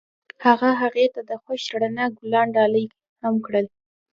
هغه هغې ته د خوښ رڼا ګلان ډالۍ هم کړل.